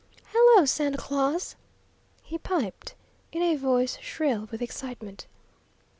"Hello, Santa Claus!" he piped, in a voice shrill with excitement.